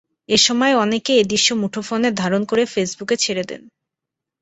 এ সময় অনেকে এ দৃশ্য মুঠোফোনে ধারণ করে ফেসবুকে ছেড়ে দেন।